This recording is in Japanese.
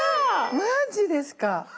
マジですか。